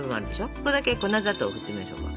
そこだけ粉砂糖振ってみましょうか。